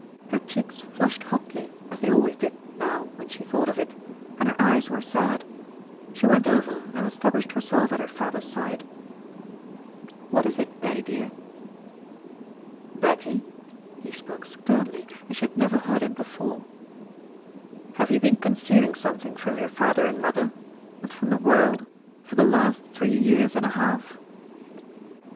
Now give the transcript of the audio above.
Her cheeks flushed hotly as they always did now when she thought of it, and her eyes were sad. She went over and established herself at her father's side. "What is it, daddy, dear?" "Betty," he spoke sternly, as she had never heard him before, "have you been concealing something from your father and mother and from the world for the last three years and a half?"